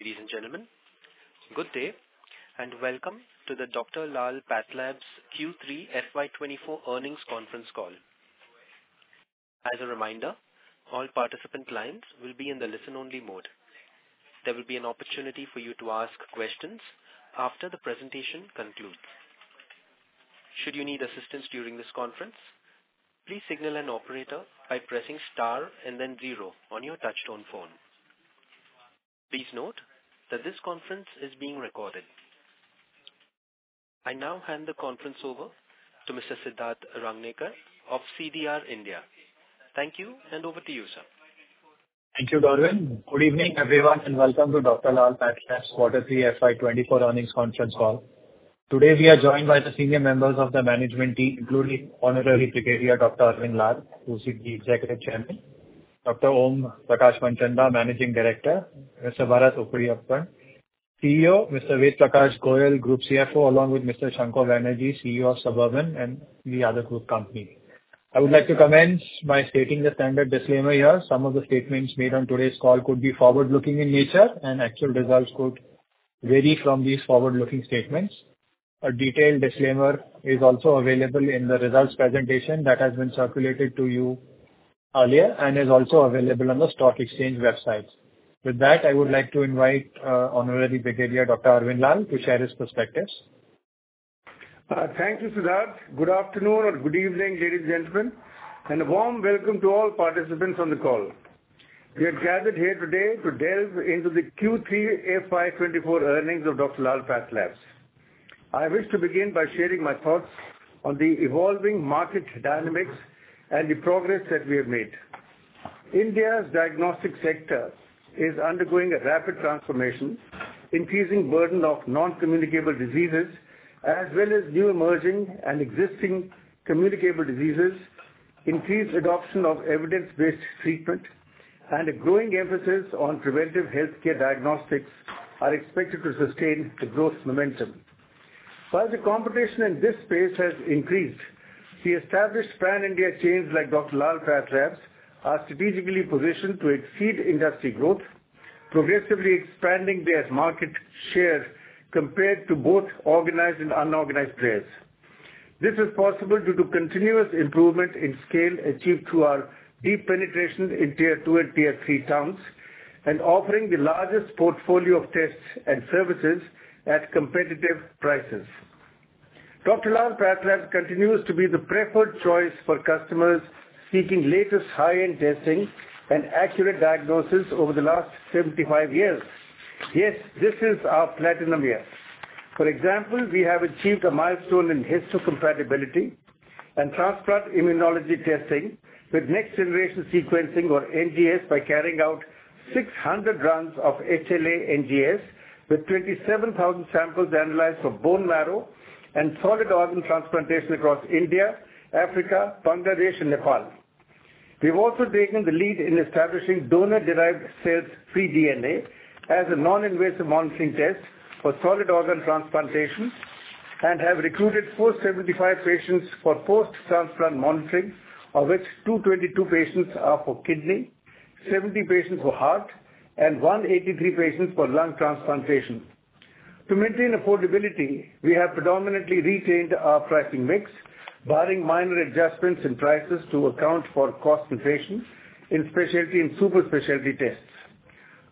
Ladies and gentlemen, good day, and welcome to the Dr Lal PathLabs Q3 FY 2024 earnings conference call. As a reminder, all participant lines will be in the listen-only mode. There will be an opportunity for you to ask questions after the presentation concludes. Should you need assistance during this conference, please signal an operator by pressing star and then zero on your touchtone phone. Please note that this conference is being recorded. I now hand the conference over to Mr. Siddharth Rangnekar of CDR India. Thank you, and over to you, sir. Thank you, Darwin. Good evening, everyone, and welcome to Dr Lal PathLabs Quarter Three FY 2024 earnings conference call. Today, we are joined by the senior members of the management team, including Honorary Brigadier Dr Arvind Lal, who is the Executive Chairman, Dr Om Prakash Manchanda, Managing Director, Mr Bharath Uppiliappan, CEO, Mr Ved Prakash Goel, Group CFO, along with Mr Shankha Banerjee, CEO of Suburban and the other group company. I would like to commence by stating the standard disclaimer here. Some of the statements made on today's call could be forward-looking in nature, and actual results could vary from these forward-looking statements. A detailed disclaimer is also available in the results presentation that has been circulated to you earlier and is also available on the stock exchange websites. With that, I would like to invite Honorary Brigadier Dr Arvind Lal to share his perspectives. Thank you, Siddharth. Good afternoon or good evening, ladies and gentlemen, and a warm welcome to all participants on the call. We are gathered here today to delve into the Q3 FY 2024 earnings of Dr Lal PathLabs. I wish to begin by sharing my thoughts on the evolving market dynamics and the progress that we have made. India's diagnostic sector is undergoing a rapid transformation, increasing burden of non-communicable diseases, as well as new emerging and existing communicable diseases, increased adoption of evidence-based treatment, and a growing emphasis on preventive healthcare diagnostics are expected to sustain the growth momentum. While the competition in this space has increased, the established Pan-India chains like Dr Lal PathLabs are strategically positioned to exceed industry growth, progressively expanding their market share compared to both organized and unorganized players. This is possible due to continuous improvement in scale achieved through our deep penetration in tier two and tier three towns, and offering the largest portfolio of tests and services at competitive prices. Dr Lal PathLabs continues to be the preferred choice for customers seeking latest high-end testing and accurate diagnosis over the last 75 years. Yes, this is our platinum year. For example, we have achieved a milestone in histocompatibility and transplant immunology testing with next generation sequencing, or NGS, by carrying out 600 runs of HLA NGS, with 27,000 samples analyzed for bone marrow and solid organ transplantation across India, Africa, Bangladesh and Nepal. We have also taken the lead in establishing donor-derived cell-free DNA as a non-invasive monitoring test for solid organ transplantation and have recruited 475 patients for post-transplant monitoring, of which 222 patients are for kidney, 70 patients for heart, and 183 patients for lung transplantation. To maintain affordability, we have predominantly retained our pricing mix, barring minor adjustments in prices to account for cost inflation in specialty and super specialty tests.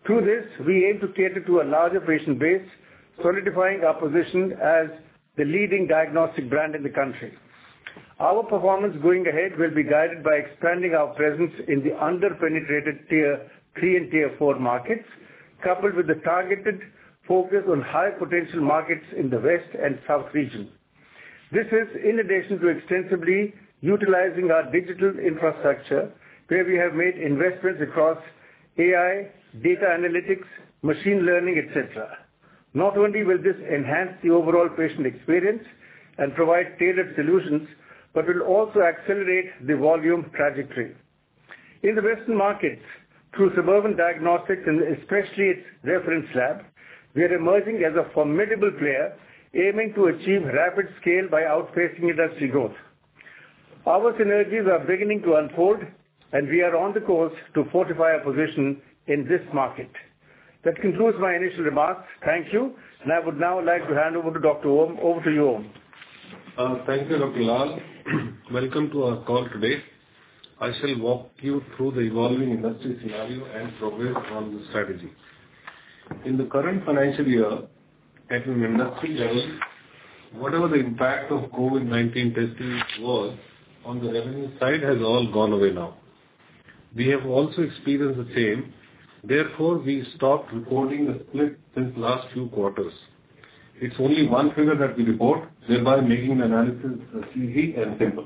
Through this, we aim to cater to a larger patient base, solidifying our position as the leading diagnostic brand in the country. Our performance going ahead will be guided by expanding our presence in the under-penetrated tier three and tier four markets, coupled with the targeted focus on high-potential markets in the West and South region. This is in addition to extensively utilizing our digital infrastructure, where we have made investments across AI, data analytics, machine learning, et cetera. Not only will this enhance the overall patient experience and provide tailored solutions, but will also accelerate the volume trajectory. In the Western markets, through Suburban Diagnostics and especially its reference lab, we are emerging as a formidable player, aiming to achieve rapid scale by outpacing industry growth. Our synergies are beginning to unfold, and we are on the course to fortify our position in this market. That concludes my initial remarks. Thank you. And I would now like to hand over to Dr. Om. Over to you, Om. Thank you, Dr. Lal. Welcome to our call today. I shall walk you through the evolving industry scenario and progress on the strategy. In the current financial year, at an industry level, whatever the impact of COVID-19 testing was on the revenue side has all gone away now. We have also experienced the same, therefore, we stopped recording a split since last few quarters. It's only one figure that we report, thereby making analysis easy and simple.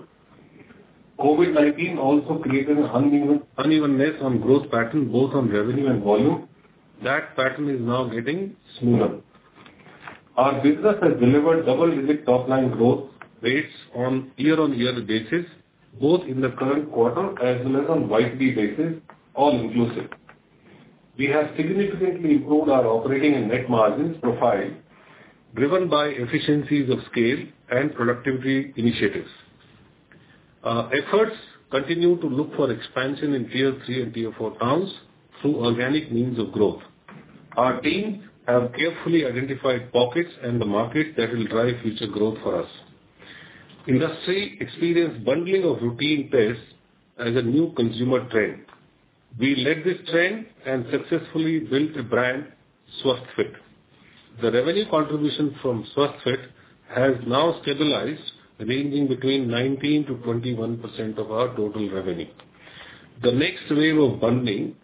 COVID-19 also created an uneven, unevenness on growth pattern, both on revenue and volume. That pattern is now getting smoother. Our business has delivered double-digit top-line growth rates on year-on-year basis, both in the current quarter as well as on YQ basis, all inclusive. We have significantly improved our operating and net margins profile, driven by efficiencies of scale and productivity initiatives. Efforts continue to look for expansion in tier three and tier four towns through organic means of growth. Our teams have carefully identified pockets in the market that will drive future growth for us. Industry experienced bundling of routine tests as a new consumer trend. We led this trend and successfully built a brand, SwasthFit. The revenue contribution from SwasthFit has now stabilized, ranging between 19%-21% of our total revenue. The next wave of bundling,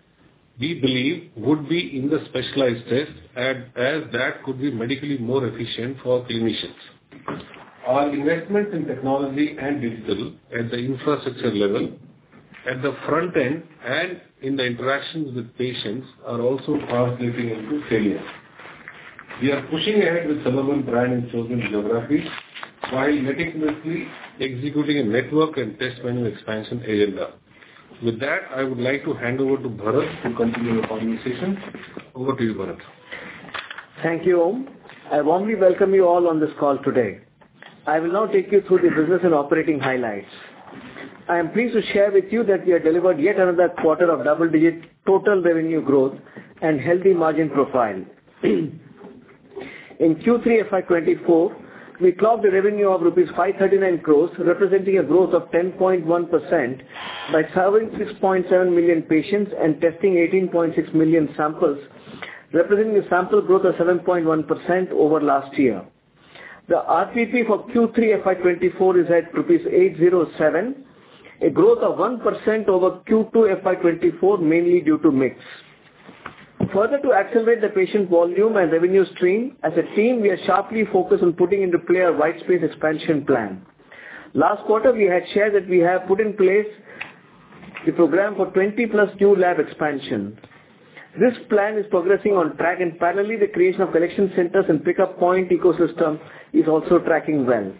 we believe, would be in the specialized tests, as that could be medically more efficient for clinicians. Our investment in technology and digital at the infrastructure level, at the front end, and in the interactions with patients, are also translating into failure. We are pushing ahead with Suburban brand in chosen geographies, while meticulously executing a network and test menu expansion agenda. With that, I would like to hand over to Bharat to continue the conversation. Over to you, Bharat. Thank you, Om. I warmly welcome you all on this call today. I will now take you through the business and operating highlights. I am pleased to share with you that we have delivered yet another quarter of double-digit total revenue growth and healthy margin profile. In Q3 FY 2024, we clocked a revenue of rupees 539 crore, representing a growth of 10.1%, by serving 6.7 million patients and testing 18.6 million samples, representing a sample growth of 7.1% over last year. The RPP for Q3 FY 2024 is at rupees 807, a growth of 1% over Q2 FY 2024, mainly due to mix. Further, to accelerate the patient volume and revenue stream, as a team, we are sharply focused on putting into play our white space expansion plan. Last quarter, we had shared that we have put in place the program for 20+ new lab expansion. This plan is progressing on track, and parallelly, the creation of collection centers and pickup point ecosystem is also tracking well.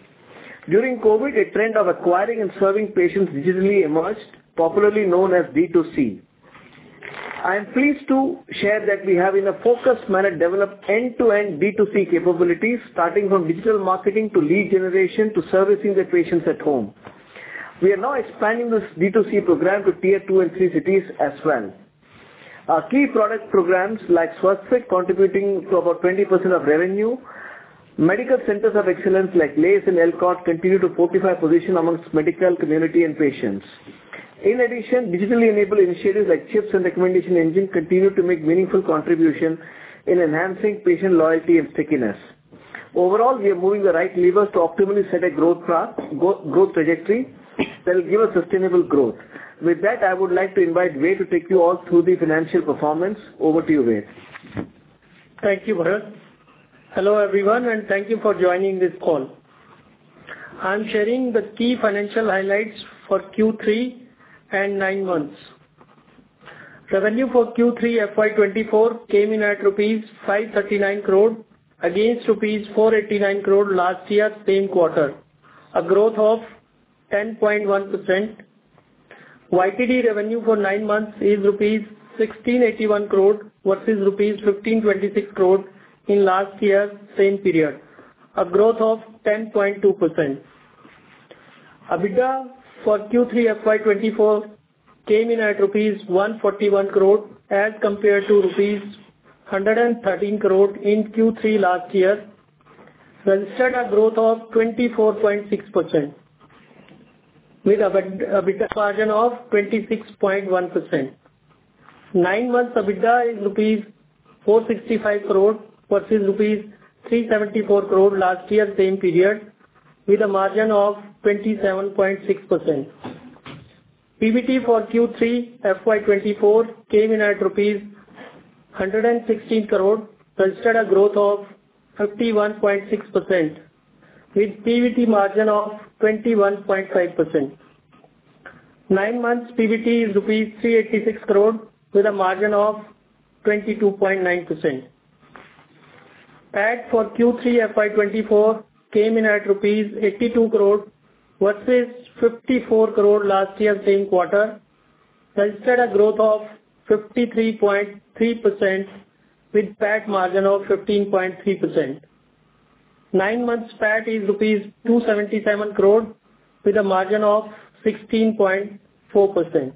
During COVID, a trend of acquiring and serving patients digitally emerged, popularly known as B2C. I am pleased to share that we have, in a focused manner, developed end-to-end B2C capabilities, starting from digital marketing to lead generation, to servicing the patients at home. We are now expanding this B2C program to tier two and three cities as well. Our key product programs, like SwasthFit, contributing to about 20% of revenue, medical centers of excellence like LACE and LCOT continue to fortify position amongst medical community and patients. In addition, digitally enabled initiatives like CHIPS and recommendation engine continue to make meaningful contribution in enhancing patient loyalty and stickiness. Overall, we are moving the right levers to optimally set a growth path, growth trajectory, that will give us sustainable growth. With that, I would like to invite Ved to take you all through the financial performance. Over to you, Ved. Thank you, Bharath. Hello, everyone, and thank you for joining this call. I'm sharing the key financial highlights for Q3 and nine months. Revenue for Q3 FY 2024 came in at rupees 539 crore, against rupees 489 crore last year, same quarter, a growth of 10.1%. YTD revenue for nine months is rupees 1,681 crore versus rupees 1,526 crore in last year's same period, a growth of 10.2%. EBITDA for Q3 FY 2024 came in at rupees 141 crore as compared to rupees 113 crore in Q3 last year, registered a growth of 24.6%, with an EBITDA margin of 26.1%. Nine months EBITDA is rupees 465 crore versus rupees 374 crore last year, same period, with a margin of 27.6%. PBT for Q3 FY 2024 came in at INR 116 crore, registered a growth of 51.6%, with PBT margin of 21.5%. Nine months PBT is rupees 386 crore, with a margin of 22.9%. PAT for Q3 FY 2024 came in at rupees 82 crore versus 54 crore last year, same quarter, registered a growth of 53.3% with PAT margin of 15.3%. Nine months PAT is rupees 277 crore with a margin of 16.4%.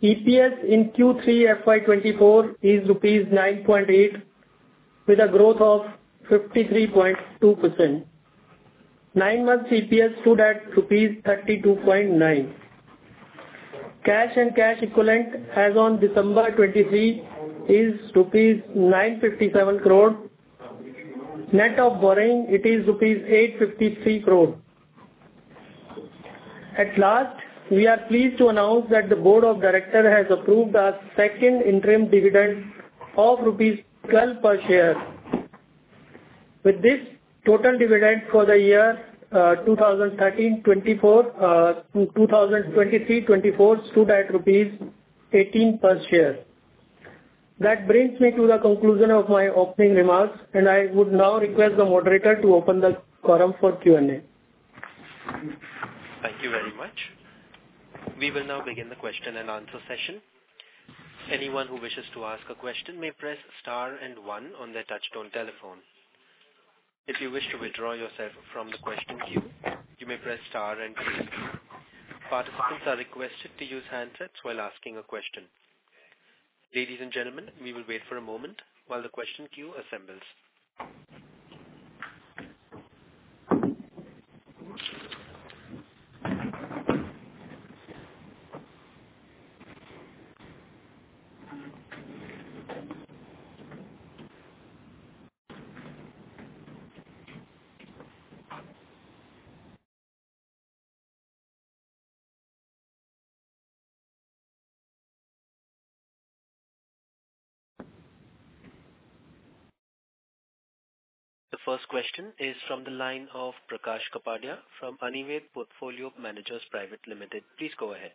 EPS in Q3 FY 2024 is rupees 9.8 crore, with a growth of 53.2%. Nine months EPS stood at 32.9 crore rupees. Cash and cash equivalent as on December 2023 is 957 crore rupees. Net of borrowing, it is 853 crore rupees. At last, we are pleased to announce that the board of director has approved our second interim dividend of INR 12 per share. With this, total dividend for the year 2023-2024 stood at rupees 18 per share. That brings me to the conclusion of my opening remarks, and I would now request the moderator to open the forum for Q&A. Thank you very much.... We will now begin the question and answer session. Anyone who wishes to ask a question may press star and one on their touchtone telephone. If you wish to withdraw yourself from the question queue, you may press star and three. Participants are requested to use handsets while asking a question. Ladies and gentlemen, we will wait for a moment while the question queue assembles. The first question is from the line of Prakash Kapadia from Anived Portfolio Managers Private Limited. Please go ahead.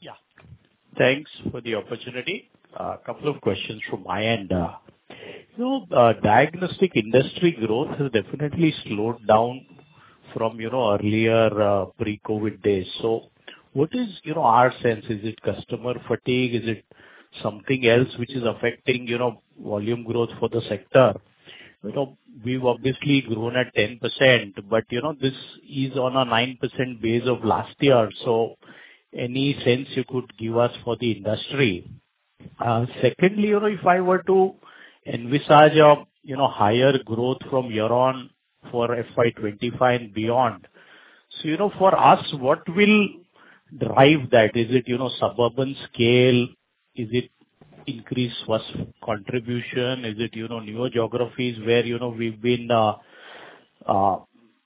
Yeah. Thanks for the opportunity. A couple of questions from my end. You know, diagnostic industry growth has definitely slowed down from, you know, earlier, pre-COVID days. So what is, you know, our sense? Is it customer fatigue? Is it something else which is affecting, you know, volume growth for the sector? You know, we've obviously grown at 10%, but, you know, this is on a 9% base of last year. So any sense you could give us for the industry? Secondly, you know, if I were to envisage a, you know, higher growth from year on for FY 2025 and beyond, so, you know, for us, what will drive that? Is it, you know, Suburban scale? Is it increased contribution? Is it, you know, newer geographies where, you know, we've been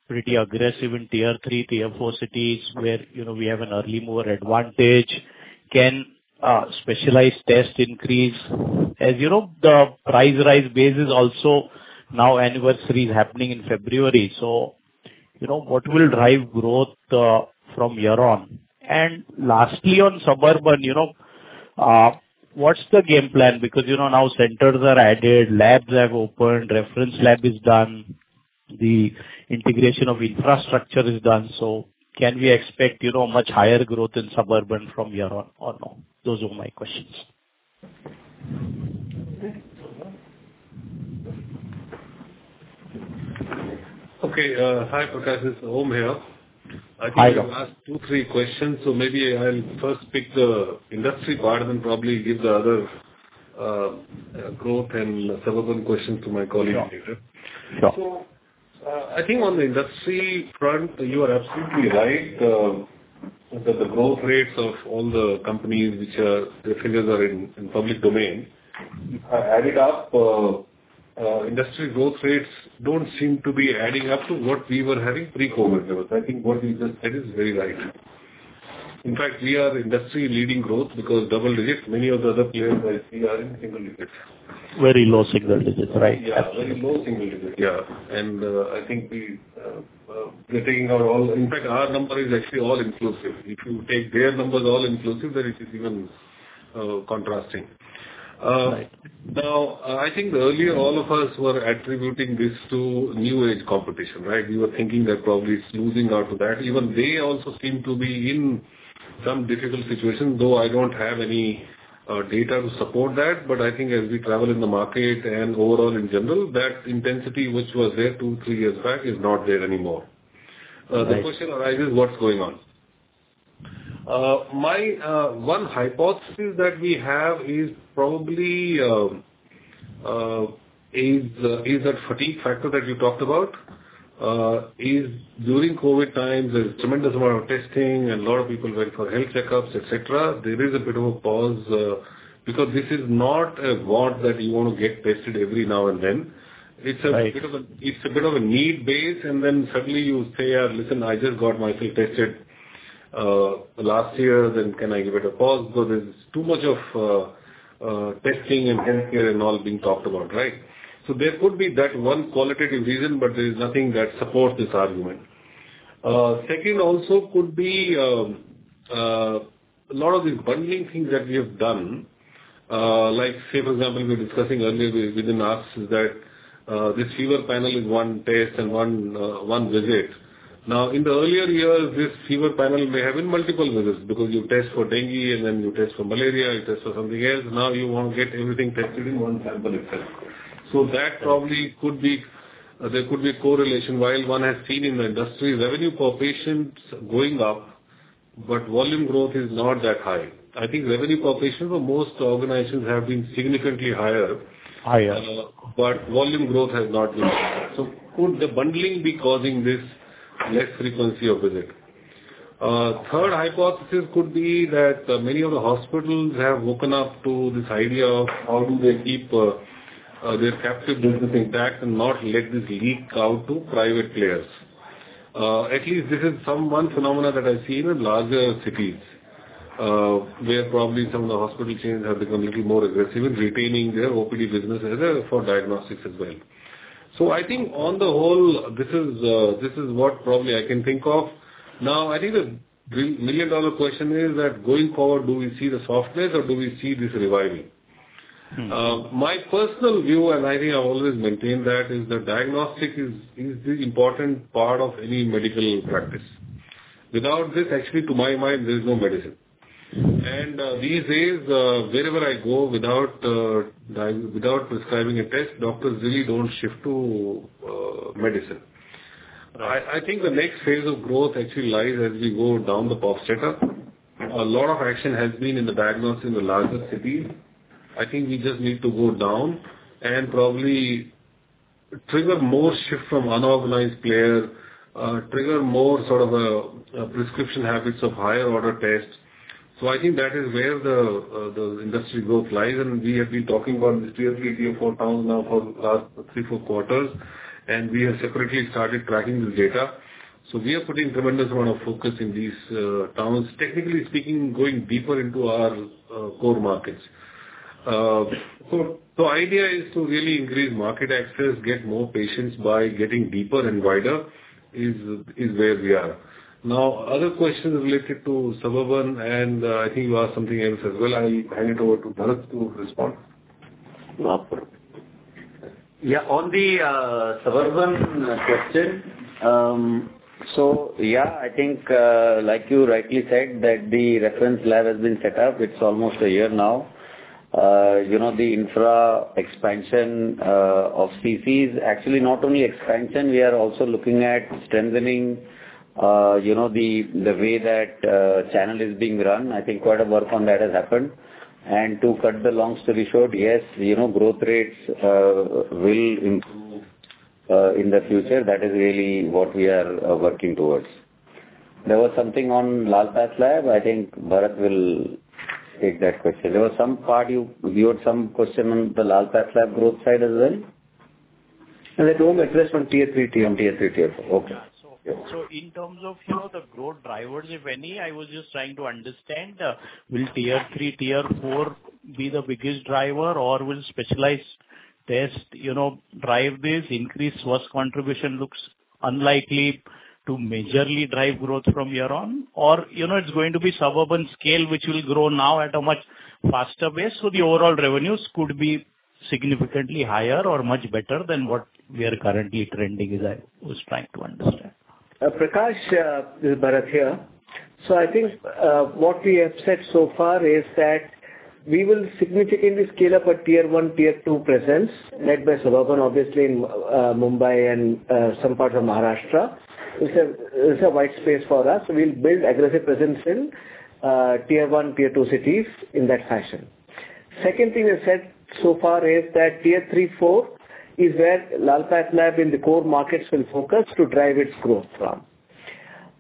pretty aggressive in tier three, tier four cities, where, you know, we have an early mover advantage? Can specialized tests increase? As you know, the price rise base is also now anniversary is happening in February. So, you know, what will drive growth from year on? And lastly, on Suburban, you know, what's the game plan? Because, you know, now centers are added, labs have opened, reference lab is done, the integration of infrastructure is done. So can we expect, you know, much higher growth in Suburban from year on or no? Those are my questions. Okay. Hi, Prakash. It's Om here. Hi. I think you asked two, three questions, so maybe I'll first pick the industry part and then probably give the other, growth and suburban question to my colleague later. Yeah. So, I think on the industry front, you are absolutely right. That the growth rates of all the companies, the figures are in the public domain, are added up. Industry growth rates don't seem to be adding up to what we were having pre-COVID levels. I think what you just said is very right. In fact, we are industry-leading growth because double digits, many of the other players I see are in single digits. Very low single digits, right? Yeah, very low single digits. Yeah. And, I think we, we're taking our all... In fact, our number is actually all inclusive. If you take their numbers all inclusive, then it is even, contrasting. Right. Now, I think earlier all of us were attributing this to new age competition, right? We were thinking that probably it's losing out to that. Even they also seem to be in some difficult situation, though I don't have any data to support that. But I think as we travel in the market and overall in general, that intensity, which was there two, three years back, is not there anymore. Right. The question arises, what's going on? My one hypothesis that we have is probably that fatigue factor that you talked about. During COVID times, there's a tremendous amount of testing and a lot of people went for health checkups, et cetera. There is a bit of a pause because this is not a want that you want to get tested every now and then. Right. It's a bit of a need base, and then suddenly you say, "Listen, I just got myself tested last year, then can I give it a pause?" Because there's too much of testing and healthcare and all being talked about, right? So there could be that one qualitative reason, but there is nothing that supports this argument. Second also could be a lot of these bundling things that we have done. Like, say, for example, we were discussing earlier within us, is that this fever panel is one test and one visit. Now, in the earlier years, this fever panel may have been multiple visits, because you test for dengue, and then you test for malaria, you test for something else. Now you want to get everything tested in one sample itself. That probably could be. There could be correlation. While one has seen in the industry revenue per patient going up, but volume growth is not that high. I think revenue per patient for most organizations have been significantly higher. Higher. But volume growth has not been. So could the bundling be causing this less frequency of visit? Third hypothesis could be that many of the hospitals have woken up to this idea of how do they keep their captive business intact and not let this leak out to private players. At least this is some phenomena that I've seen in larger cities, where probably some of the hospital chains have become a little more aggressive in retaining their OPD business for diagnostics as well. So I think on the whole, this is, this is what probably I can think of. Now, I think the million-dollar question is that, going forward, do we see the softness or do we see this reviving? My personal view, and I think I always maintain that, is the diagnostic is the important part of any medical practice. Without this, actually, to my mind, there is no medicine. And these days, wherever I go, without prescribing a test, doctors really don't shift to medicine. I think the next phase of growth actually lies as we go down the pop setup. A lot of action has been in the diagnosis in the larger cities. I think we just need to go down and probably trigger more shift from unorganized players, trigger more sort of prescription habits of higher order tests. So I think that is where the industry growth lies, and we have been talking about this tier three, tier four towns now for the last three, four quarters, and we have separately started tracking this data. So we are putting tremendous amount of focus in these towns. Technically speaking, going deeper into our core markets. So the idea is to really increase market access, get more patients by getting deeper and wider, is where we are. Now, other questions related to Suburban, and I think you asked something else as well. I'll hand it over to Bharath to respond. Yeah. On the Suburban question, so yeah, I think, like you rightly said, that the reference lab has been set up. It's almost a year now. You know, the infra expansion of CC is actually not only expansion, we are also looking at strengthening, you know, the, the way that channel is being run. I think quite a work on that has happened. And to cut the long story short, yes, you know, growth rates will improve in the future. That is really what we are working towards. There was something on Lal PathLabs. I think Bharath will take that question. There was some part you... You had some question on the Lal PathLabs growth side as well? And I told address from tier three, tier and tier three, tier four. Okay. Yeah. So, so in terms of, you know, the growth drivers, if any, I was just trying to understand, will tier three, tier four be the biggest driver, or will specialized test, you know, drive this increase? Gross contribution looks unlikely to majorly drive growth from here on, or, you know, it's going to be Suburban scale, which will grow now at a much faster way, so the overall revenues could be significantly higher or much better than what we are currently trending, is I was trying to understand. Prakash, this is Bharath here. So I think, what we have said so far is that we will significantly scale up our tier one, tier two presence, led by Suburban, obviously, in Mumbai and some parts of Maharashtra. It's a wide space for us. We'll build aggressive presence in tier one, tier two cities in that fashion. Second thing I said so far is that tier three, four is where Lal PathLabs in the core markets will focus to drive its growth from.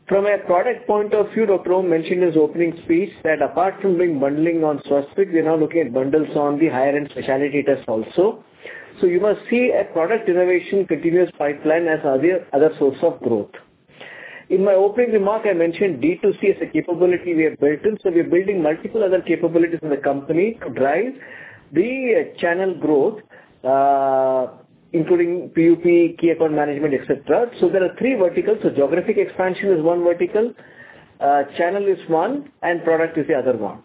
From a product point of view, Dr. Om mentioned his opening speech, that apart from doing bundling on SwasthFit, we're now looking at bundles on the higher end specialty tests also. So you must see a product innovation continuous pipeline as other source of growth. In my opening remark, I mentioned D2C as a capability we have built in, so we are building multiple other capabilities in the company to drive the channel growth, including PUP, key account management, et cetera. So there are three verticals. So geographic expansion is one vertical, channel is one, and product is the other one.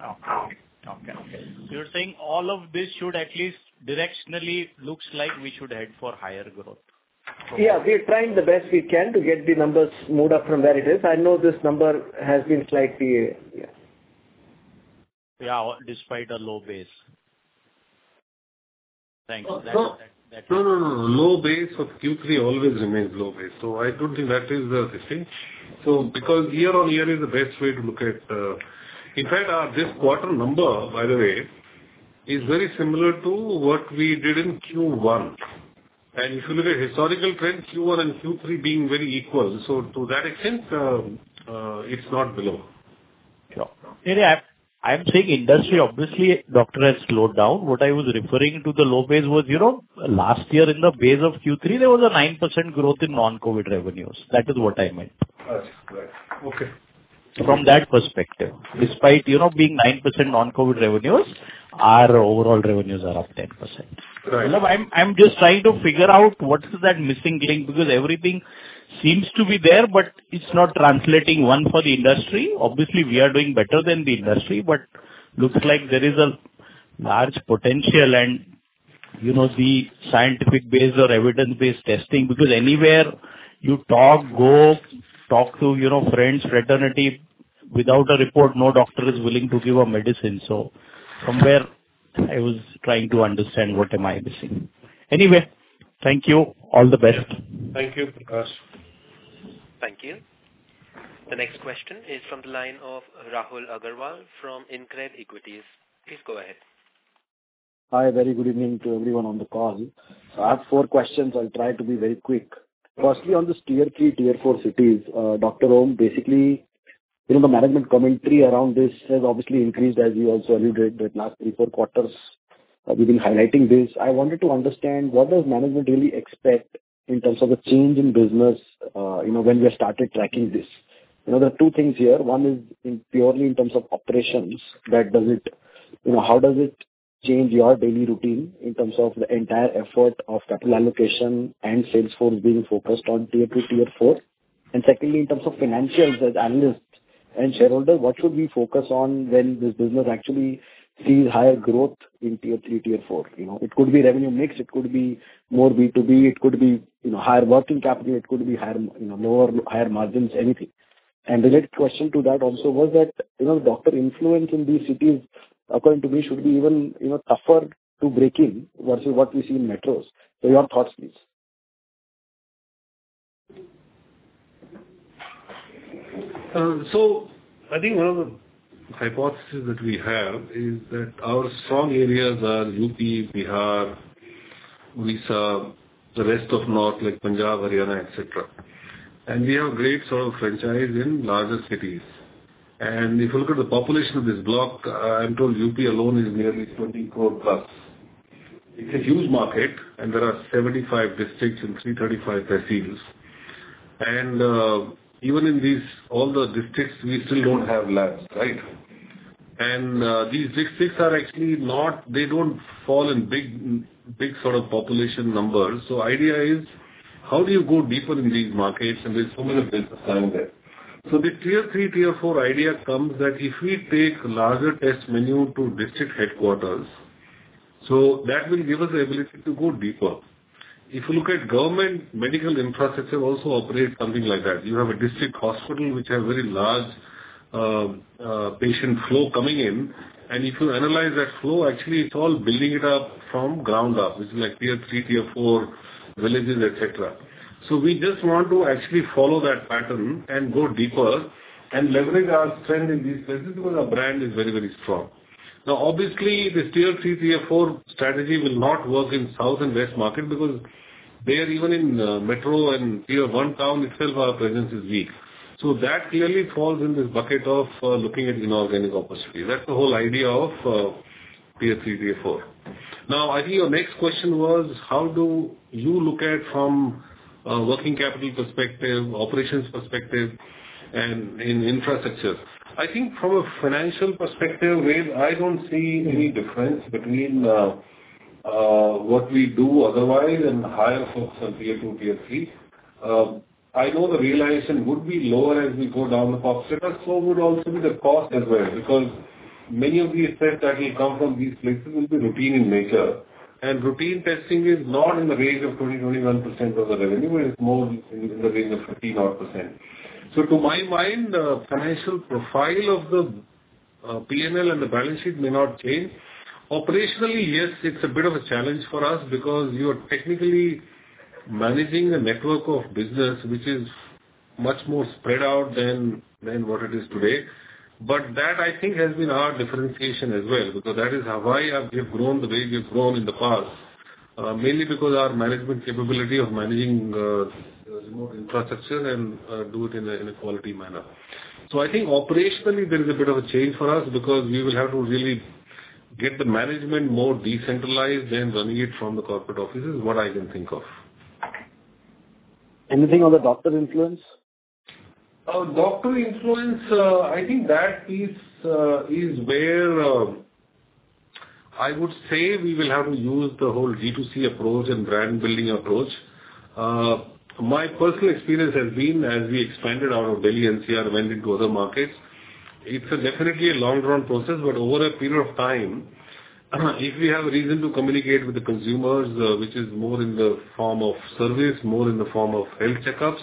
Okay. Okay. So you're saying all of this should at least directionally looks like we should head for higher growth? Yeah, we are trying the best we can to get the numbers moved up from where it is. I know this number has been slightly, yeah. Yeah, despite a low base. Thank you. No, no, no, low base of Q3 always remains low base, so I don't think that is the thing. So because year-on-year is the best way to look at. In fact, this quarter number, by the way, is very similar to what we did in Q1. And if you look at historical trend, Q1 and Q3 being very equal, so to that extent, it's not below. Sure. I'm saying industry, obviously, doctor has slowed down. What I was referring to, the low base was, you know, last year in the base of Q3, there was a 9% growth in non-COVID revenues. That is what I meant. Right. Okay. From that perspective, despite, you know, being 9% non-COVID revenues, our overall revenues are up 10%. Right. I'm just trying to figure out what is that missing link, because everything seems to be there, but it's not translating one for the industry. Obviously, we are doing better than the industry, but looks like there is a large potential and, you know, the scientific base or evidence-based testing. Because anywhere you talk, go talk to, you know, friends, fraternity, without a report, no doctor is willing to give a medicine. So from where I was trying to understand, what am I missing? Anyway, thank you. All the best. Thank you, Prakash. Thank you. The next question is from the line of Rahul Agarwal from InCred Equities. Please go ahead. Hi, very good evening to everyone on the call. I have four questions. I'll try to be very quick. Firstly, on this tier three, tier four cities, Dr. Om, basically, you know, the management commentary around this has obviously increased, as you also alluded, that last three, four quarters, we've been highlighting this. I wanted to understand, what does management really expect in terms of the change in business, you know, when we started tracking this? You know, there are two things here. One is in purely in terms of operations. You know, how does it change your daily routine in terms of the entire effort of capital allocation and sales force being focused on tier three, tier four?... Secondly, in terms of financials, as analysts and shareholders, what should we focus on when this business actually sees higher growth in tier three, tier four? You know, it could be revenue mix, it could be more B2B, it could be, you know, higher working capital, it could be higher, you know, lower, higher margins, anything. And the related question to that also was that, you know, doctor influence in these cities, according to me, should be even, you know, tougher to break in versus what we see in metros. So your thoughts, please. So I think one of the hypotheses that we have is that our strong areas are UP, Bihar, Odisha, the rest of North, like Punjab, Haryana, et cetera. We have great sort of franchise in larger cities. If you look at the population of this block, I'm told UP alone is nearly 20 crore plus. It's a huge market, and there are 75 districts and 335 tehsils. Even in these, all the districts, we still don't have labs, right? These districts are actually not, they don't fall in big, big sort of population numbers. So idea is: how do you go deeper in these markets? There's so many businesses down there. So the tier three, tier four idea comes that if we take larger test menu to district headquarters, so that will give us the ability to go deeper. If you look at government medical infrastructure, it also operates something like that. You have a district hospital which have very large patient flow coming in. And if you analyze that flow, actually, it's all building it up from ground up, which is like tier three, tier four, villages, et cetera. So we just want to actually follow that pattern and go deeper and leverage our strength in these places, because our brand is very, very strong. Now, obviously, this tier three, tier four strategy will not work in South and West market, because there, even in metro and tier one town itself, our presence is weak. So that clearly falls in this bucket of looking at inorganic opportunities. That's the whole idea of tier three, tier four. Now, I think your next question was: How do you look at from a working capital perspective, operations perspective, and infrastructure? I think from a financial perspective, Ved, I don't see any difference between what we do otherwise and hire folks on tier two, tier three. I know the realization would be lower as we go down the pop setup, so would also be the cost as well, because many of these tests that will come from these places will be routine in nature, and routine testing is not in the range of 20-21% of the revenue. It's more in the range of 15 odd percent. So to my mind, the financial profile of the P&L and the balance sheet may not change. Operationally, yes, it's a bit of a challenge for us because you are technically managing a network of business which is much more spread out than what it is today. But that, I think, has been our differentiation as well, because that is how, why we have grown the way we've grown in the past. Mainly because our management capability of managing remote infrastructure and do it in a quality manner. So I think operationally there is a bit of a change for us because we will have to really get the management more decentralized than running it from the corporate office, is what I can think of. Anything on the doctor influence? Doctor influence, I think that is where I would say we will have to use the whole D2C approach and brand building approach. My personal experience has been, as we expanded our Delhi NCR went into other markets, it's definitely a long run process, but over a period of time, if we have a reason to communicate with the consumers, which is more in the form of service, more in the form of health checkups,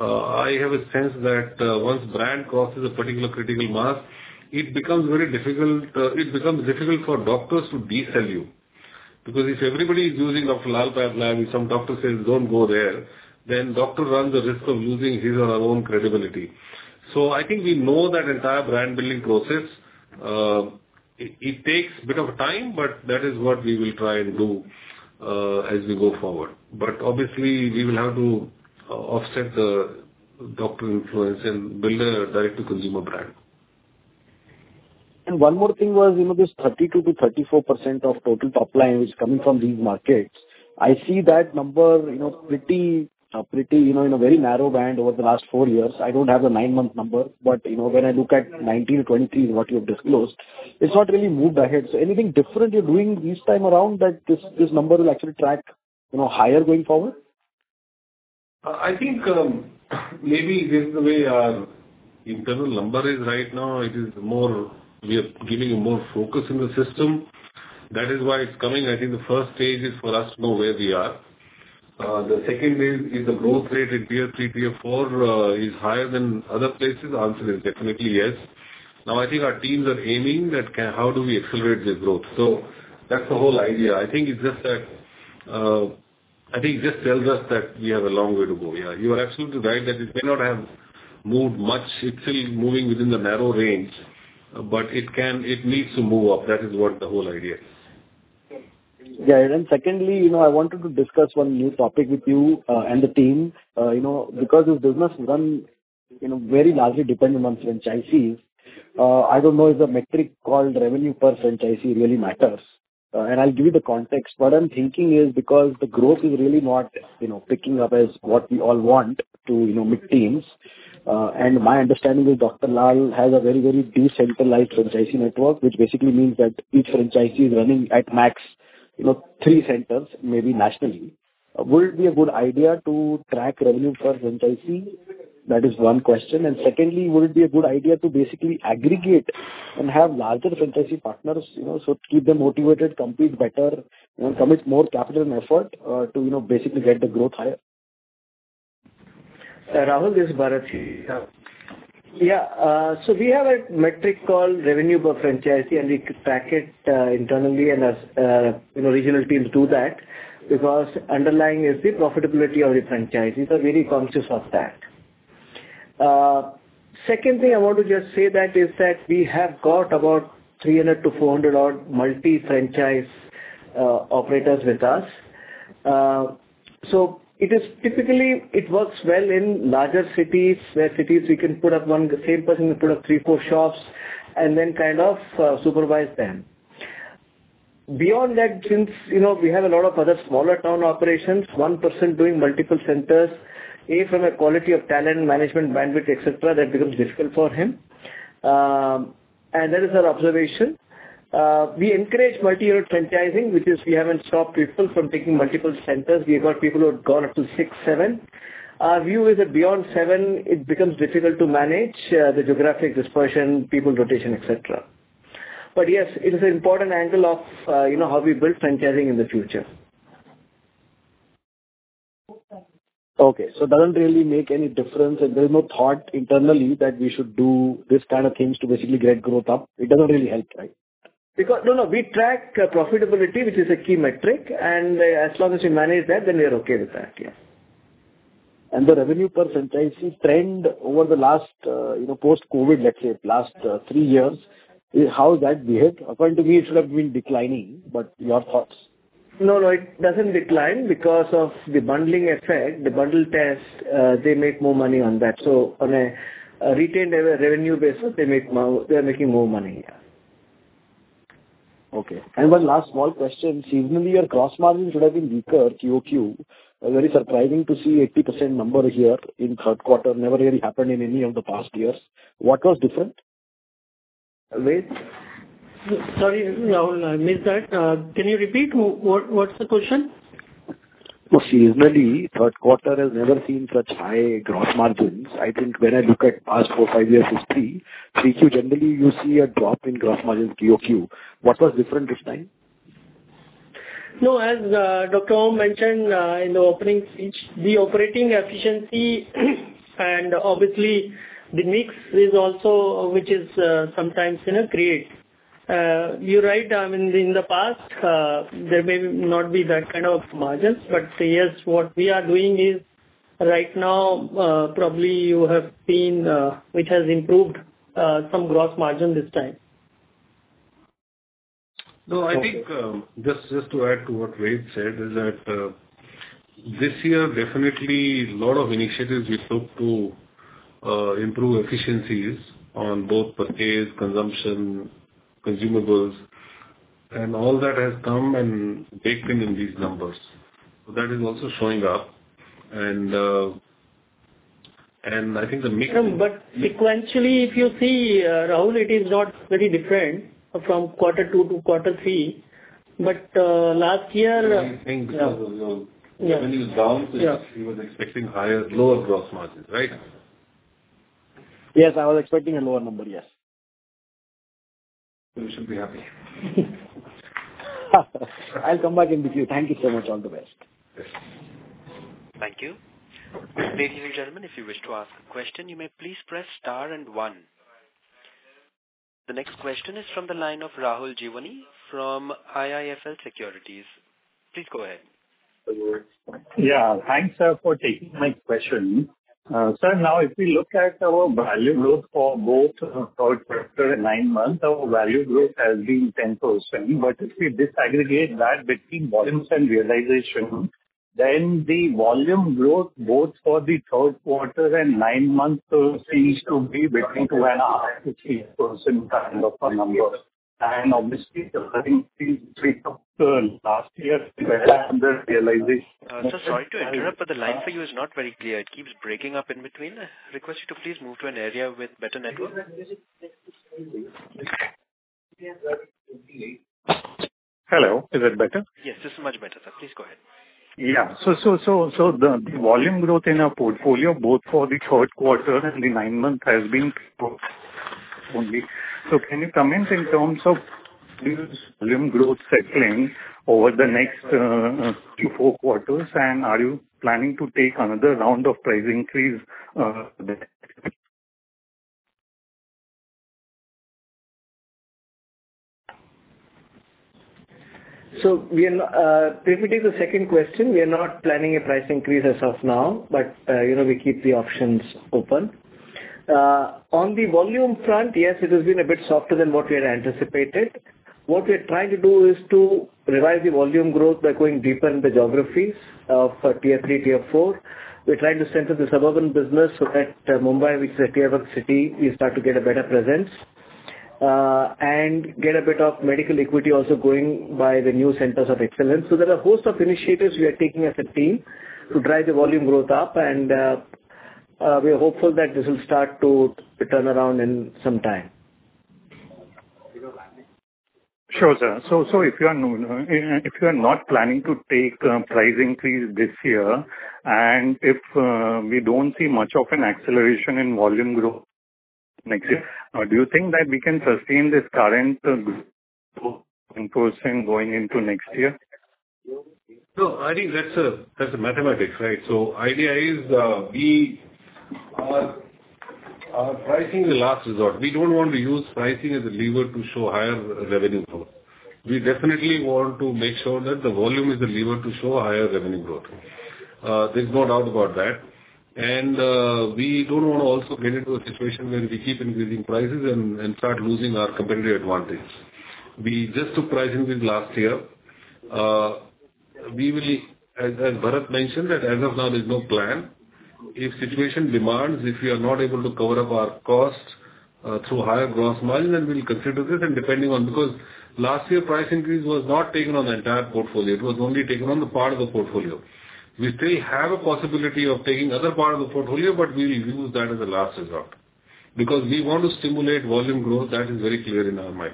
I have a sense that once brand crosses a particular critical mass, it becomes very difficult... it becomes difficult for doctors to de-sell you. Because if everybody is using Dr. Lal PathLabs, and some doctor says, "Don't go there," then doctor runs the risk of losing his or her own credibility. So I think we know that entire brand building process. It takes a bit of time, but that is what we will try and do, as we go forward. But obviously, we will have to offset the doctor influence and build a direct-to-consumer brand. One more thing was, you know, this 32%-34% of total top line which is coming from these markets, I see that number, you know, pretty, pretty, you know, in a very narrow band over the last four years. I don't have the nine-month number, but, you know, when I look at 2019-2020, what you have disclosed, it's not really moved ahead. So anything different you're doing this time around that this, this number will actually track, you know, higher going forward? I think, maybe this is the way our internal number is right now. It is more. We are giving more focus in the system. That is why it's coming. I think the first stage is for us to know where we are. The second is, is the growth rate in tier three, tier four, is higher than other places? The answer is definitely yes. Now, I think our teams are aiming at how do we accelerate this growth. So that's the whole idea. I think it's just that, I think it just tells us that we have a long way to go. Yeah, you are absolutely right that it may not have moved much. It's still moving within the narrow range, but it can. It needs to move up. That is what the whole idea is. Yeah, and then secondly, you know, I wanted to discuss one new topic with you, and the team. You know, because this business run, you know, very largely dependent on franchisees, I don't know if the metric called revenue per franchisee really matters. And I'll give you the context. What I'm thinking is because the growth is really not, you know, picking up as what we all want to, you know, mid-teens. And my understanding is Dr. Lal has a very, very decentralized franchisee network, which basically means that each franchisee is running at max, you know, three centers, maybe nationally. Would it be a good idea to track revenue per franchisee? That is one question. And secondly, would it be a good idea to basically aggregate and have larger franchisee partners, you know, so to keep them motivated, compete better, you know, commit more capital and effort, to, you know, basically get the growth higher? Rahul, this is Bharath speaking. Yeah. So we have a metric called revenue per franchisee, and we track it, internally and as, you know, regional teams do that, because underlying is the profitability of the franchisees. We're very conscious of that. Secondly, I want to just say that is that we have got about 300-400 odd multi-franchisee, operators with us. So it is typically it works well in larger cities, where cities we can put up one, the same person can put up three, four shops and then kind of, supervise them. Beyond that, since, you know, we have a lot of other smaller town operations, one person doing multiple centers, A, from a quality of talent, management, bandwidth, et cetera, that becomes difficult for him. And that is our observation. We encourage multi-year franchising, which is we haven't stopped people from taking multiple centers. We've got people who have gone up to six, seven. Our view is that beyond seven, it becomes difficult to manage the geographic dispersion, people rotation, et cetera. But yes, it is an important angle of, you know, how we build franchising in the future. Okay. So it doesn't really make any difference, and there's no thought internally that we should do this kind of things to basically get growth up? It doesn't really help, right? No, no, we track profitability, which is a key metric, and as long as we manage that, then we are okay with that. Yes. The revenue per franchisee trend over the last, you know, post-COVID, let's say last three years, how has that behaved? According to me, it should have been declining, but your thoughts. No, no, it doesn't decline because of the bundling effect. The bundle test, they make more money on that. So on a retained revenue basis, they make more. They are making more money. Yeah. Okay. One last small question. Seasonally, your gross margins should have been weaker QoQ. Very surprising to see 80% number here in third quarter. Never really happened in any of the past years. What was different? Amit? Sorry, Rahul, I missed that. Can you repeat what, what's the question? Well, seasonally, third quarter has never seen such high gross margins. I think when I look at past four, five years history, 3Q, generally, you see a drop in gross margins QoQ. What was different this time? No, as Dr. Om mentioned in the opening speech, the operating efficiency and obviously, the mix is also... which is, sometimes, you know, create. You're right, I mean, in the past, there may not be that kind of margins, but, yes, what we are doing is right now, probably you have seen, which has improved some gross margin this time. No, I think, just to add to what Amit said, is that, this year, definitely lot of initiatives we took to, improve efficiencies on both purchase, consumption, consumables, and all that has come and baked in, in these numbers. So that is also showing up. And I think the mix- Sequentially, if you see, Rahul, it is not very different from quarter two to quarter three. But, last year- I think, when it was down- Yeah. We was expecting higher, lower gross margins, right? Yes, I was expecting a lower number. Yes. You should be happy. I'll come back and with you. Thank you so much. All the best. Yes. Thank you. Ladies and gentlemen, if you wish to ask a question, you may please press star and one. The next question is from the line of Rahul Jeewani from IIFL Securities. Please go ahead. Yeah. Thanks, sir, for taking my question. Sir, now, if we look at our value growth for both third quarter and nine months, our value growth has been 10%. But if we disaggregate that between volumes and realization, then the volume growth, both for the third quarter and nine months, seems to be between 12% and 13% kind of a number. And obviously, the last year under realization- Sir, sorry to interrupt, but the line for you is not very clear. It keeps breaking up in between. I request you to please move to an area with better network. Hello, is that better? Yes, this is much better, sir. Please go ahead. Yeah. So the volume growth in our portfolio, both for the third quarter and the nine months, has been growth only. So can you comment in terms of this volume growth settling over the next three, four quarters? And are you planning to take another round of price increase there? So we are not, if we take the second question, we are not planning a price increase as of now, but, you know, we keep the options open. On the volume front, yes, it has been a bit softer than what we had anticipated. What we're trying to do is to revise the volume growth by going deeper in the geographies of tier three, tier four. We're trying to center the suburban business so that Mumbai, which is a tier One city, we start to get a better presence.... and get a bit of medical equity also going by the new centers of excellence. So there are a host of initiatives we are taking as a team to drive the volume growth up, and, we are hopeful that this will start to turn around in some time. Sure, sir. So, if you are not planning to take price increase this year, and if we don't see much of an acceleration in volume growth next year, do you think that we can sustain this current growth in percent going into next year? So I think that's a, that's a mathematics, right? So idea is, we are, pricing the last resort. We don't want to use pricing as a lever to show higher revenue growth. We definitely want to make sure that the volume is a lever to show a higher revenue growth. There's no doubt about that. And, we don't want to also get into a situation where we keep increasing prices and, and start losing our competitive advantage. We just took price increase last year. We will, as, as Bharath mentioned, that as of now, there's no plan. If situation demands, if we are not able to cover up our cost, through higher gross margin, then we'll consider this and depending on... Because last year, price increase was not taken on the entire portfolio. It was only taken on the part of the portfolio. We still have a possibility of taking other part of the portfolio, but we will use that as a last resort, because we want to stimulate volume growth. That is very clear in our mind.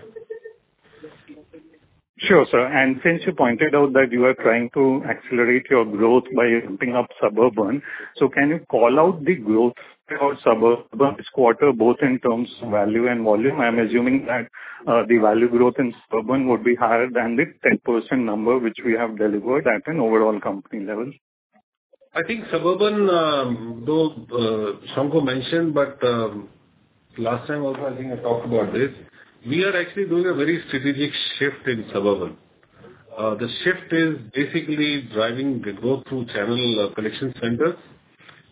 Sure, sir. And since you pointed out that you are trying to accelerate your growth by opening up Suburban, so can you call out the growth for Suburban this quarter, both in terms of value and volume? I'm assuming that, the value growth in Suburban would be higher than the 10% number, which we have delivered at an overall company level. I think Suburban, though, Shankha mentioned, but, last time also, I think I talked about this. We are actually doing a very strategic shift in Suburban. The shift is basically driving the growth through channel collection centers,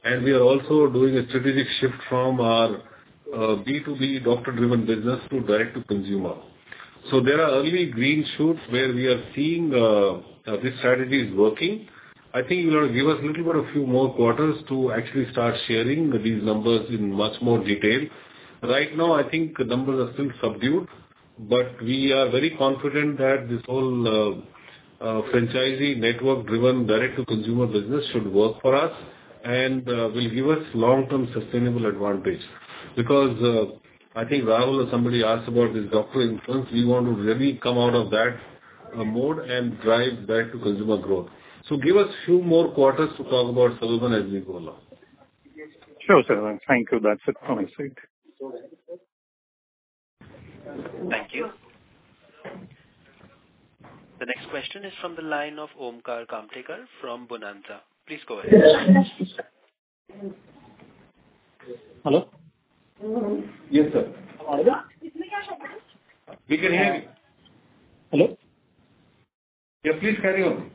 and we are also doing a strategic shift from our, B2B doctor-driven business to direct-to-consumer. So there are early green shoots where we are seeing, this strategy is working. I think you got to give us little bit a few more quarters to actually start sharing these numbers in much more detail. Right now, I think the numbers are still subdued, but we are very confident that this whole, franchisee network-driven, direct-to-consumer business should work for us, and, will give us long-term sustainable advantage. Because, I think Rahul or somebody asked about this doctor influence, we want to really come out of that mode and drive direct-to-consumer growth. So give us a few more quarters to talk about Suburban as we go along. Sure, sir. Thank you. That's it from my side. Thank you. The next question is from the line of Omkar Kamtekar from Bonanza. Please go ahead. Hello? Yes, sir. We can hear you. Hello? Yeah, please carry on.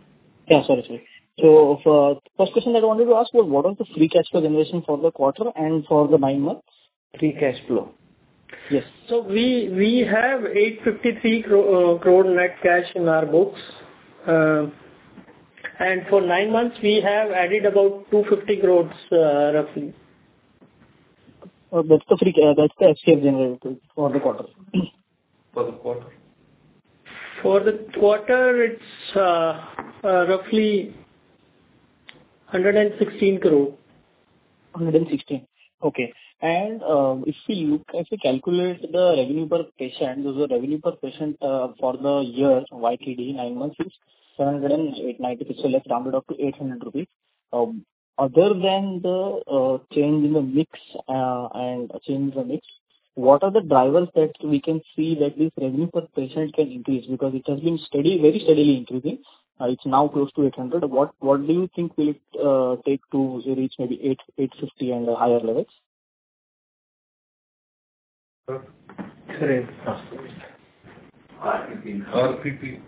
Yeah, sorry, sorry. So for first question that I wanted to ask was, what was the free cash flow generation for the quarter and for the nine months? Free cash flow. Yes. So we have 853 crore net cash in our books. And for nine months, we have added about 250 crores, roughly. That's the free cash, that's the FCF generation for the quarter. For the quarter. For the quarter, it's roughly INR 116 crore. 116. Okay. And, if we look as we calculate the revenue per patient, those are revenue per patient for the year, YTD nine months is 789, so let's round it up to 800 rupees. Other than the change in the mix, and change in the mix, what are the drivers that we can see that this revenue per patient can increase? Because it has been steady, very steadily increasing. It's now close to 800. What, what do you think will take to reach maybe 800, 850 and higher levels? RP, RPP.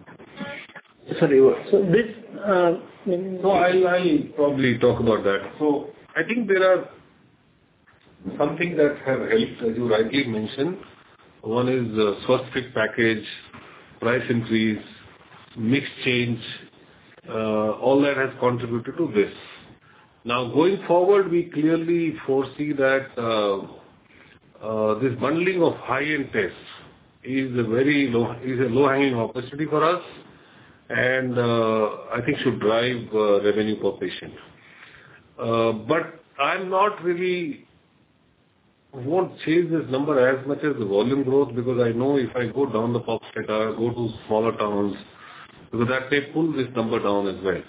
Sorry, what? So this, I'll probably talk about that. I think there are some things that have helped, as you rightly mentioned. One is, SwasthFit package, price increase, mix change, all that has contributed to this. Now, going forward, we clearly foresee that, this bundling of high-end tests is a very low-hanging opportunity for us, and, I think should drive, revenue per patient. But I'm not really... I won't chase this number as much as the volume growth, because I know if I go down the pop sector, I go to smaller towns, so that may pull this number down as well.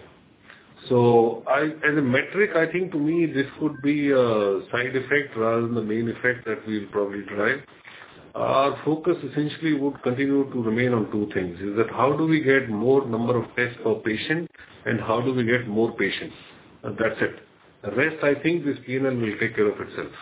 I, as a metric, I think to me, this could be a side effect rather than the main effect that we'll probably drive. Our focus essentially would continue to remain on two things, is that how do we get more number of tests per patient and how do we get more patients? That's it. The rest, I think this CNN will take care of itself.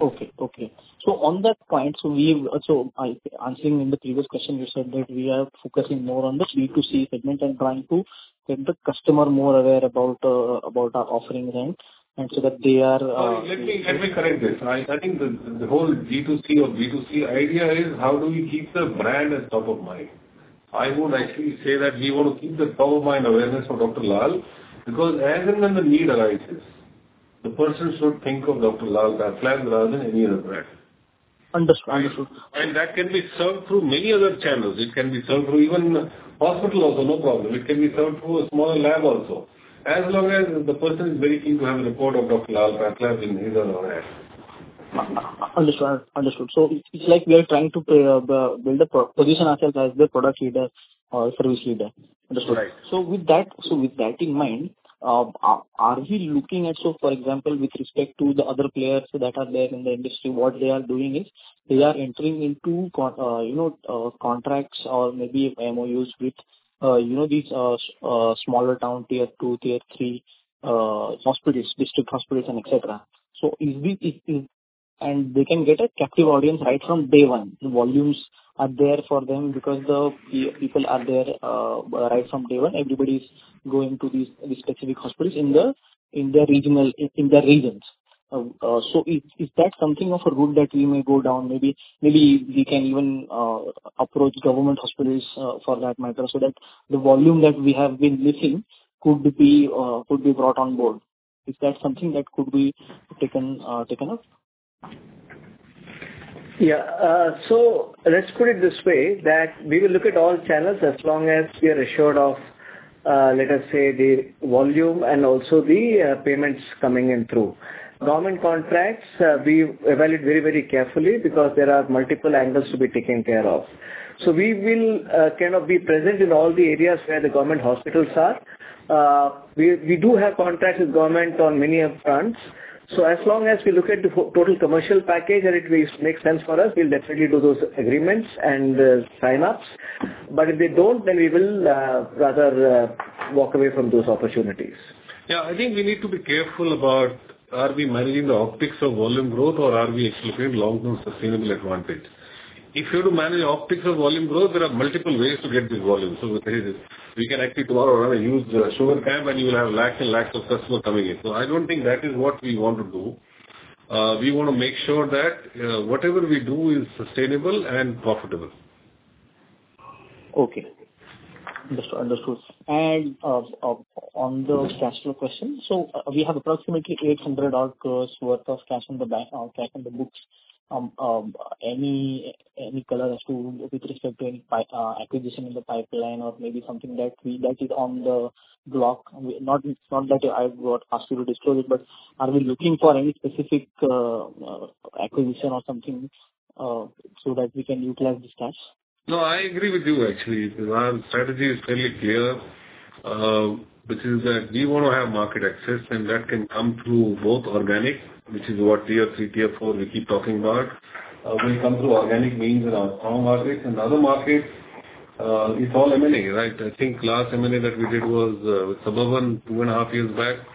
Okay, okay. So on that point, answering in the previous question, you said that we are focusing more on the B2C segment and trying to get the customer more aware about our offering range, and so that they are, Let me correct this. I think the whole B2C or B2C idea is how do we keep the brand at top of mind? I would actually say that we want to keep the top of mind awareness for Dr. Lal, because as and when the need arises. The person should think of Dr. Lal PathLabs rather than any other brand. Understood. That can be served through many other channels. It can be served through even hospital also, no problem. It can be served through a small lab also. As long as the person is very keen to have a report of Dr. Lal PathLabs in his or her hand. Understood. Understood. So it's like we are trying to build a position ourselves as the product leader or service leader. Understood. Right. So with that, so with that in mind, are we looking at... So for example, with respect to the other players that are there in the industry, what they are doing is they are entering into, you know, contracts or maybe MOUs with, you know, these smaller town, tier two, tier three hospitals, district hospitals, and et cetera. So, and they can get a captive audience right from day one. The volumes are there for them because the people are there right from day one. Everybody's going to these specific hospitals in their regional, in their regions. So is that something of a route that we may go down? Maybe, maybe we can even approach government hospitals for that matter, so that the volume that we have been missing could be could be brought on board. Is that something that could be taken taken up? Yeah. So let's put it this way, that we will look at all channels as long as we are assured of, let us say, the volume and also the payments coming in through. Government contracts, we evaluate very, very carefully because there are multiple angles to be taken care of. So we will kind of be present in all the areas where the government hospitals are. We do have contracts with government on many fronts. So as long as we look at the total commercial package and it makes sense for us, we'll definitely do those agreements and sign-ups. But if they don't, then we will rather walk away from those opportunities. Yeah, I think we need to be careful about are we managing the optics of volume growth, or are we actually creating long-term sustainable advantage? If you were to manage the optics of volume growth, there are multiple ways to get this volume. So we can actually, tomorrow, use sugar camp, and you will have lakhs and lakhs of customers coming in. So I don't think that is what we want to do. We want to make sure that, whatever we do is sustainable and profitable. Okay. Understood. Understood. On the cash flow question, so we have approximately 800 crore worth of cash in the bank, cash in the books. Any color as to with respect to any acquisition in the pipeline or maybe something that we, that is on the block? Not that I would ask you to disclose it, but are we looking for any specific acquisition or something, so that we can utilize this cash? No, I agree with you, actually. Our strategy is fairly clear, which is that we want to have market access, and that can come through both organic, which is what tier three, tier four we keep talking about. We come through organic means in our strong markets. And other markets, it's all M&A, right? I think last M&A that we did was, Suburban, 2.5 years back.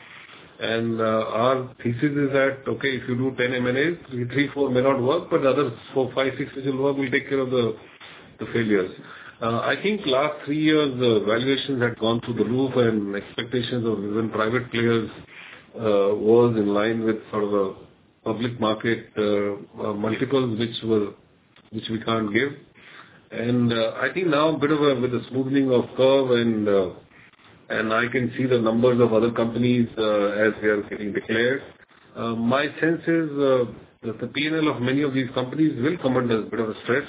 And, our thesis is that, okay, if you do 10 M&As, three, four may not work, but the other four, five, six will work, will take care of the, the failures. I think last three years, the valuations had gone through the roof, and expectations of even private players, was in line with sort of a public market, multiples, which were- which we can't give. I think now a bit of a, with a smoothing of curve, and I can see the numbers of other companies, as they are getting declared. My sense is that the P&L of many of these companies will come under a bit of a stress,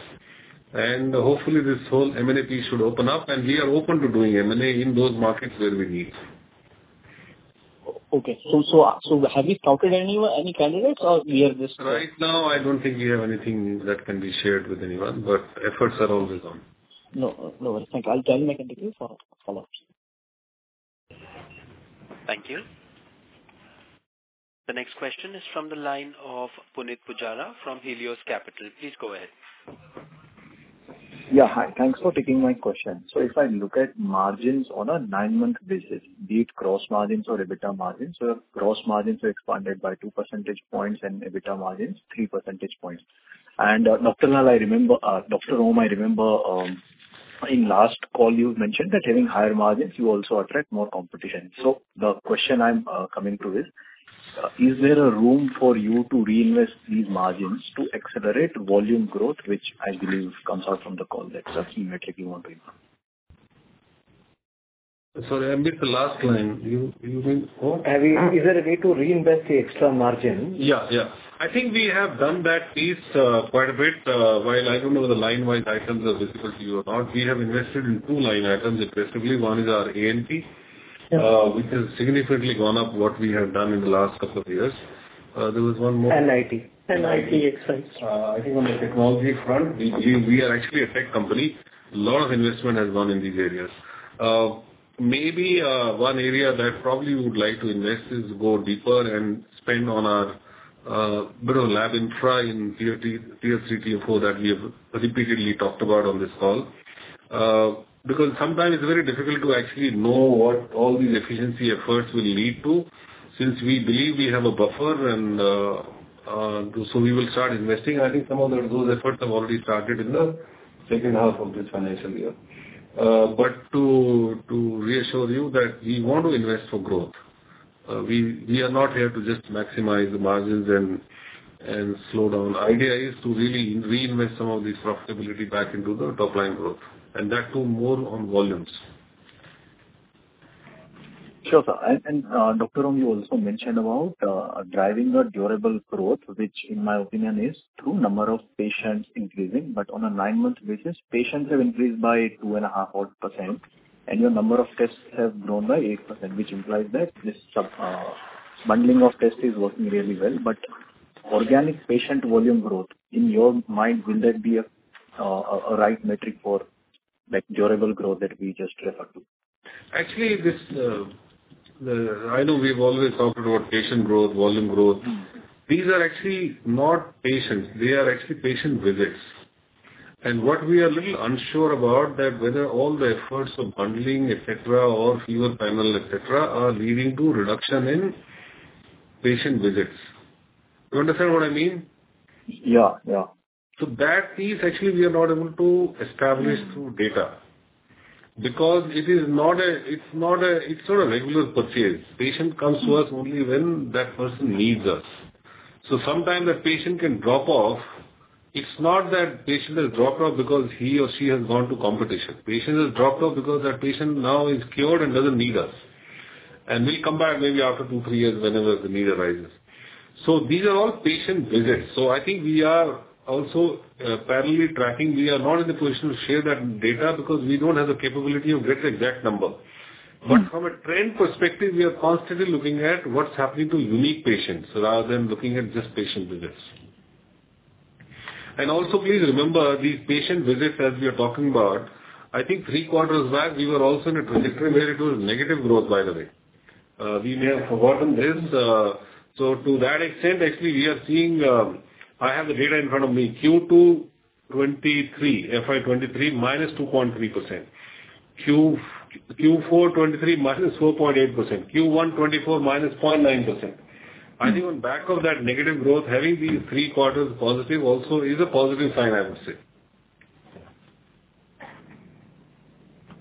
and hopefully, this whole M&A piece should open up, and we are open to doing M&A in those markets where we need. Okay. So, have you counted anyone, any candidates, or we are just- Right now, I don't think we have anything that can be shared with anyone, but efforts are always on. No, no worries. Thank you. I'll try and make a note for follow-up. Thank you. The next question is from the line of Punit Pujara from Helios Capital. Please go ahead. Yeah, hi. Thanks for taking my question. So if I look at margins on a nine-month basis, be it gross margins or EBITDA margins, so gross margins are expanded by 2 percentage points and EBITDA margins, 3 percentage points. And, Dr. Lal I remember, Dr. Om, I remember, in last call, you mentioned that having higher margins, you also attract more competition. So the question I'm coming to is: Is there a room for you to reinvest these margins to accelerate volume growth, which I believe comes out from the call that Dr. Sree was talking about? Sorry, I missed the last line. You mean what? Is there a way to reinvest the extra margin? Yeah, yeah. I think we have done that piece, quite a bit. While I don't know the line-wise items are visible to you or not, we have invested in two line items aggressively. One is our A&P- Yeah. which has significantly gone up what we have done in the last couple of years. There was one more. NIT. NIT expense. I think on the technology front, we are actually a tech company. A lot of investment has gone in these areas. Maybe one area that I probably would like to invest is go deeper and spend on our bit of lab and try in tier three, tier three, tier four, that we have repeatedly talked about on this call. Because sometimes it's very difficult to actually know what all these efficiency efforts will lead to, since we believe we have a buffer and so we will start investing. I think some of those efforts have already started in the second half of this financial year. But to reassure you that we want to invest for growth. We are not here to just maximize the margins and slow down. The idea is to really reinvest some of this profitability back into the top-line growth, and that too, more on volumes.... Sure, sir. And Dr. Om, you also mentioned about driving a durable growth, which in my opinion is through number of patients increasing. But on a nine-month basis, patients have increased by 2.5% odd, and your number of tests have grown by 8%, which implies that this bundling of test is working really well. But organic patient volume growth, in your mind, would that be a right metric for, like, durable growth that we just referred to? Actually, this, I know we've always talked about patient growth, volume growth. Mm-hmm. These are actually not patients, they are actually patient visits. And what we are little unsure about that whether all the efforts of bundling, et cetera, or fewer panel, et cetera, are leading to reduction in patient visits. You understand what I mean? Yeah. Yeah. That piece actually we are not able to establish through data, because it is not a regular purchase. Patient comes to us only when that person needs us. So sometimes that patient can drop off. It's not that patient has dropped off because he or she has gone to competition. Patient has dropped off because that patient now is cured and doesn't need us, and will come back maybe after two, three years whenever the need arises. So these are all patient visits. So I think we are also parallelly tracking. We are not in the position to share that data because we don't have the capability of get the exact number. But from a trend perspective, we are constantly looking at what's happening to unique patients, rather than looking at just patient visits. And also, please remember, these patient visits that we are talking about, I think three quarters back, we were also in a trajectory where it was negative growth, by the way. We may have forgotten this. So to that extent, actually, we are seeing, I have the data in front of me. Q2 2023, FY 2023, -2.3%. Q4 2023, -4.8%. Q1 2024, -0.9%. I think on back of that negative growth, having these three quarters positive also is a positive sign, I would say.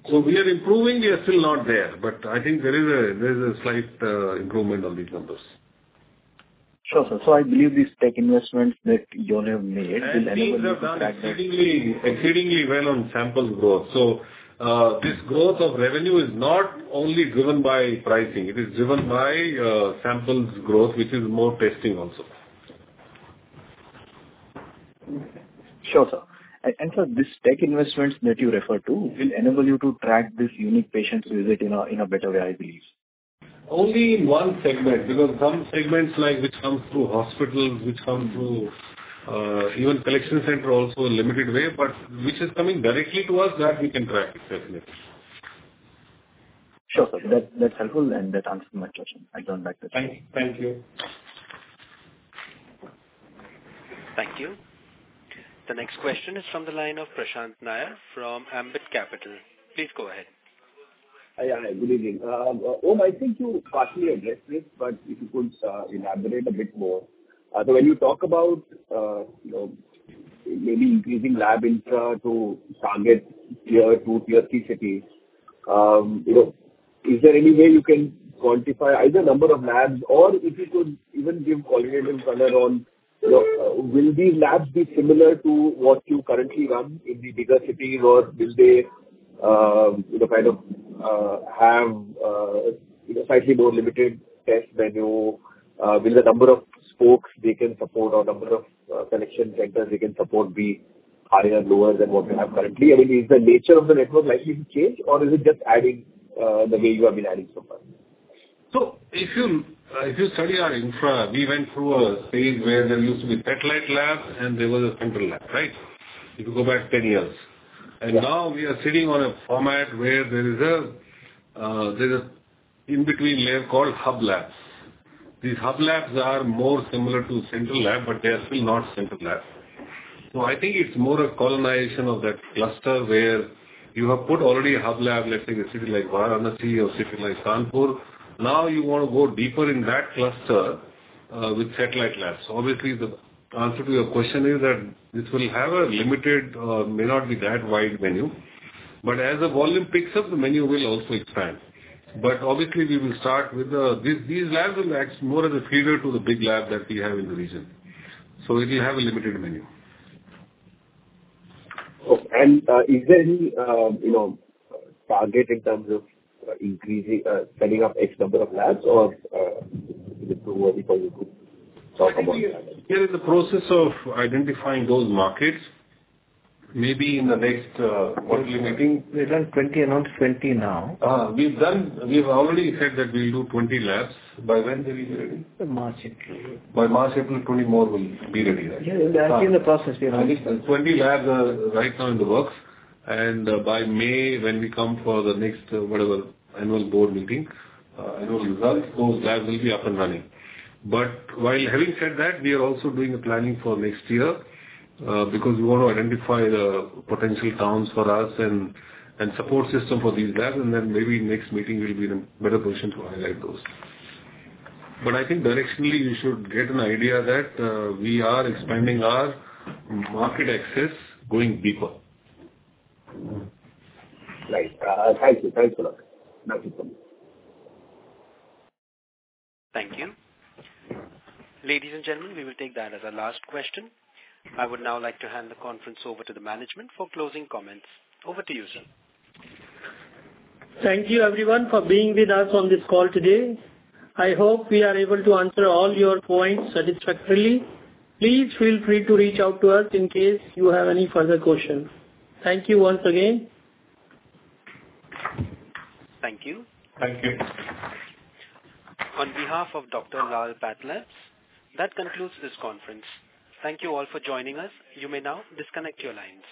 So we are improving. We are still not there, but I think there is a, there is a slight, improvement on these numbers. Sure, sir. So I believe these tech investments that you all have made will enable you to track that- Things have done exceedingly, exceedingly well on samples growth. This growth of revenue is not only driven by pricing, it is driven by samples growth, which is more testing also. Sure, sir. Sir, these tech investments that you referred to will enable you to track this unique patient visit in a, in a better way, I believe? Only in one segment, because some segments like which come through hospitals, which come through even collection center, also a limited way, but which is coming directly to us, that we can track it definitely. Sure, sir. That, that's helpful, and that answers my question. I don't like to- Thank you. Thank you. The next question is from the line of Prashant Nair from Ambit Capital. Please go ahead. Hi. Good evening. Om, I think you partially addressed this, but if you could elaborate a bit more. When you talk about, you know, maybe increasing lab infra to target tier two, tier three cities, you know, is there any way you can quantify either number of labs or if you could even give qualitative color on, you know, will these labs be similar to what you currently run in the bigger cities, or will they, you know, kind of have, you know, slightly more limited test menu? Will the number of spokes they can support or number of collection centers they can support be higher or lower than what you have currently? Is the nature of the network likely to change, or is it just adding the way you have been adding so far? So if you, if you study our infra, we went through a phase where there used to be satellite lab and there was a central lab, right? If you go back 10 years. Yeah. And now we are sitting on a format where there is a, there's a in-between layer called hub labs. These hub labs are more similar to central lab, but they are still not central lab. So I think it's more a colonization of that cluster where you have put already a hub lab, let's say, a city like Varanasi or city like Kanpur. Now you want to go deeper in that cluster, with satellite labs. So obviously, the answer to your question is that this will have a limited, may not be that wide menu, but as the volume picks up, the menu will also expand. But obviously, we will start with the... These, these labs will act more as a feeder to the big lab that we have in the region. So it will have a limited menu. Okay. Is there any, you know, target in terms of increasing, setting up x number of labs or, if you could talk about that? We are in the process of identifying those markets. Maybe in the next quarterly meeting- We've done 20, around 20 now. We've already said that we'll do 20 labs. By when they will be ready? March, April. By March, April, 20th more will be ready, right? Yeah, they're actually in the process. We are already- 20 labs are right now in the works, and by May, when we come for the next whatever annual board meeting, annual results, those labs will be up and running. But while having said that, we are also doing the planning for next year, because we want to identify the potential towns for us and support system for these labs, and then maybe next meeting we'll be in a better position to highlight those. But I think directionally, you should get an idea that we are expanding our market access, going deeper. Right. Thank you. Thanks a lot. Thank you so much. Thank you. Ladies and gentlemen, we will take that as our last question. I would now like to hand the conference over to the management for closing comments. Over to you, sir. Thank you, everyone, for being with us on this call today. I hope we are able to answer all your points satisfactorily. Please feel free to reach out to us in case you have any further questions. Thank you once again. Thank you. Thank you. On behalf of Dr Lal PathLabs, that concludes this conference. Thank you all for joining us. You may now disconnect your lines.